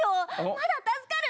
まだ助かる。